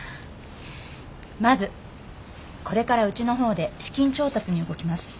まずこれからうちの方で資金調達に動きます。